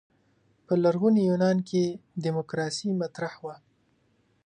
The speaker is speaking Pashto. په لرغوني یونان کې دیموکراسي مطرح وه.